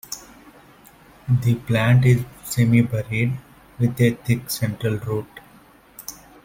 The plant is semi buried with a thick central root.